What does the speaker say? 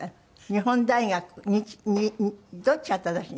日本大学どっちが正しい？